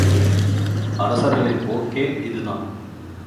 அரசர்களின் போக்கே இதுதான்.